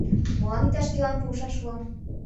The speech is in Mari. Молан иктаж-кӧлан пуышаш улам?